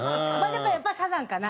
でもやっぱりサザンかな。